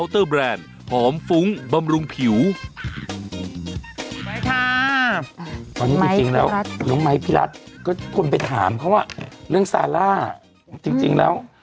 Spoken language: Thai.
ตอนนี้จริงแล้วน้องไม้พี่รัฐก็คนไปถามเขาว่าเรื่องซาร่าจริงแล้ว